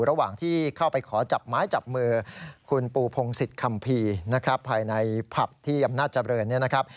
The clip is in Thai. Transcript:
ระหว่างที่เข้าไปขอจับไม้จับมือคุณปูพงศิษย์คัมภีร์นะครับภายในผับที่อำนาจเจริญเนี่ยนะครับ